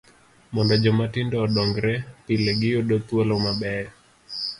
Mondo joma tindo odongre, pile giyudo thuolo mabeyo.